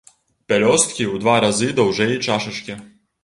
Пялёсткі ў два разы даўжэй чашачкі.